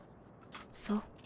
そう。